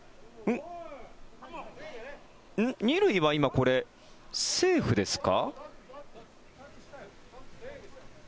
２塁は今これ、セーフですか？